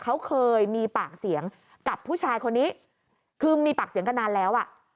เขาเคยมีปากเสียงกับผู้ชายคนนี้คือมีปากเสียงกันนานแล้วอ่ะ